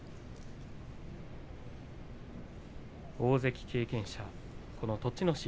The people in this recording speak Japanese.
大関経験者、栃ノ心。